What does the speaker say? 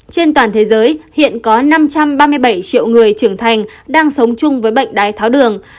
trên toàn thế giới hiện có năm trăm ba mươi bảy triệu người trưởng thành đang sống chung với bệnh đái tháo đường